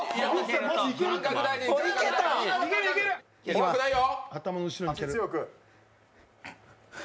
怖くないよ。